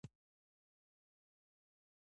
له روغتیايي پلوه د ژوندانه مناسب